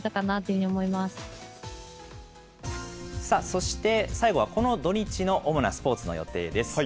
そして最後は、この土日の主なスポーツの予定です。